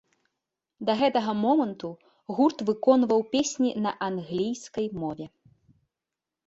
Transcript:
Да гэтага моманту гурт выконваў песні на англійскай мове.